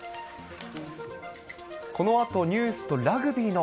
このあと、ニュースとラグビーの